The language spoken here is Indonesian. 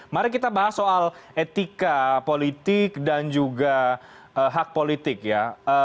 mari kita bahas soal etika politik dan juga hak politik ya